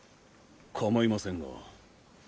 かまいませんが。